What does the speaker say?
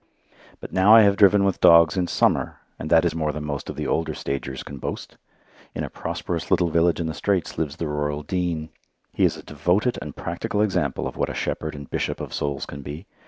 But now I have driven with dogs in summer, and that is more than most of the older stagers can boast. In a prosperous little village in the Straits lives the rural dean. He is a devoted and practical example of what a shepherd and bishop of souls can be.